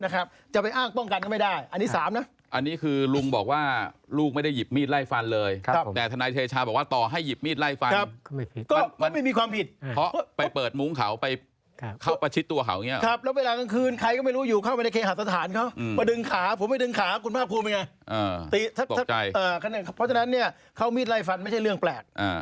ตอนนั้นลุงยืนยันว่าไม่ต้องเข้าแล้วนะน้องเหลือแล้ว